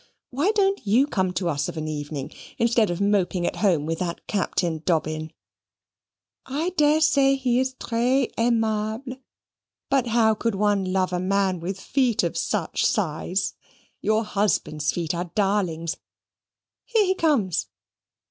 Why don't you come to us of an evening, instead of moping at home with that Captain Dobbin? I dare say he is tres aimable; but how could one love a man with feet of such size? Your husband's feet are darlings Here he comes.